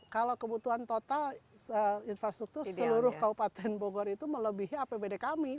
kalau kebutuhan total infrastruktur seluruh kabupaten bogor itu melebihi apbd kami